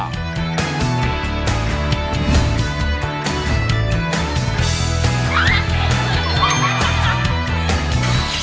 กอล์ฟซิลล่า